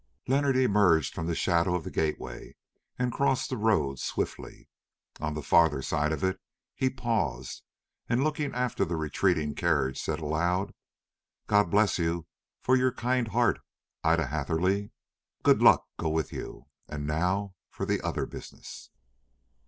Leonard emerged from the shadow of the gateway and crossed the road swiftly. On the further side of it he paused, and looking after the retreating carriage said aloud, "God bless you for your kind heart, Ida Hatherley. Good luck go with you! And now for the other business."